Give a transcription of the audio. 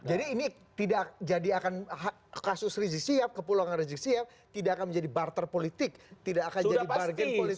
jadi ini tidak jadi akan kasus rizik sihab kepulangan rizik sihab tidak akan menjadi barter politik tidak akan jadi bargain politik